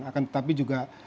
akan tetapi juga